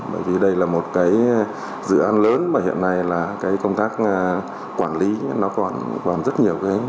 bởi vì đây là một dự án lớn và hiện nay công tác quản lý còn rất nhiều hợp